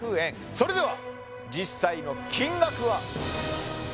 それでは実際の金額は？